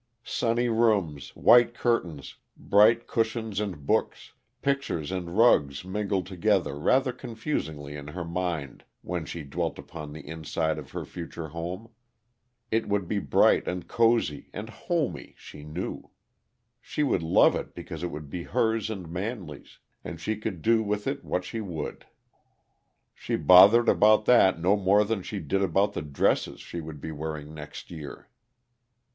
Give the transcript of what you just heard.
Sunny rooms, white curtains, bright cushions and books, pictures and rugs mingled together rather confusingly in her mind when she dwelt upon the inside of her future home. It would be bright, and cozy, and "homy," she knew. She would love it because it would be hers and Manley's, and she could do with it what she would. She bothered about that no more than she did about the dresses she would be wearing next year.